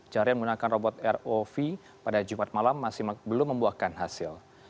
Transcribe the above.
carian menggunakan robot rov pada jumat malam masih belum membuahkan hasil